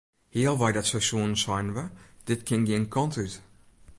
Healwei dat seizoen seinen we dit kin gjin kant út.